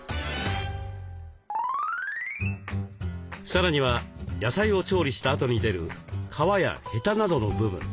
さらには野菜を調理したあとに出る皮やヘタなどの部分。